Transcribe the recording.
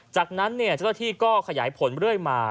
จากนั้นเจ้าหน้าที่ก็ขยายผลเรื่อยมา